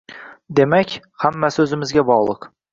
Demak, hammasi o'zimizga bog'liq